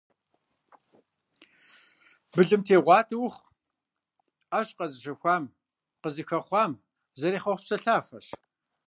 Былымтегъуатэ ухъу - Ӏэщ къэзыщэхуам, къызыхэхъуам зэрехъуэхъу псэлъафэщ.